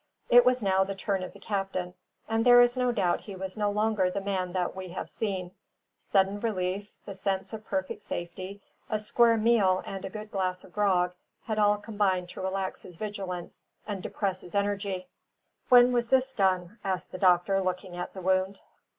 It was now the turn of the captain, and there is no doubt he was no longer the man that we have seen; sudden relief, the sense of perfect safety, a square meal and a good glass of grog, had all combined to relax his vigilance and depress his energy. "When was this done?" asked the doctor, looking at the wound.